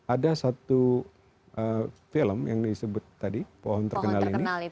ada satu film yang disebut tadi pohon terkenal ini